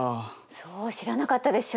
そう知らなかったでしょ？